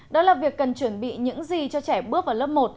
đó là việc cần chuẩn bị những gì cho trẻ bước vào lớp một